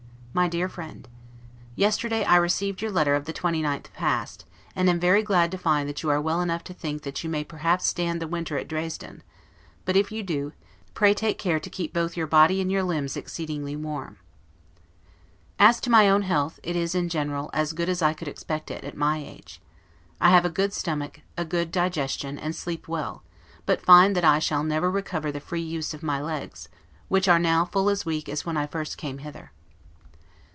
MY DEAR FRIEND: Yesterday I received your letter of the 29th past, and am very glad to find that you are well enough to think that you may perhaps stand the winter at Dresden; but if you do, pray take care to keep both your body and your limbs exceedingly warm. As to my own health, it is, in general, as good as I could expect it, at my age; I have a good stomach, a good digestion, and sleep well; but find that I shall never recover the free use of my legs, which are now full as weak as when I first came hither.